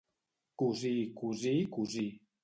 Cosí, cosí, cosí.